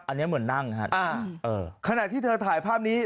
อันเนี้ยเหมือนนั่งนะครับอ่าเออขณะที่เธอถ่ายภาพนี้